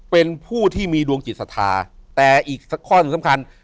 เป็นผู้ที่มีดวงจิตศาสตร์แต่อีกสักข้อสำคัญ